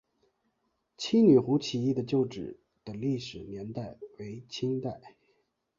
七女湖起义旧址的历史年代为清代。